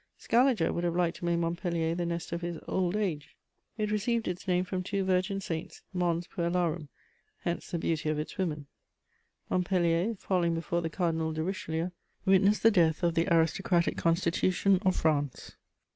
Scaliger would have liked to make Montpellier "the nest of his old age." It received its name from two virgin saints, Mons puellarum: hence the beauty of its women. Montpellier, falling before the Cardinal de Richelieu, witnessed the death of the aristocratic constitution of France.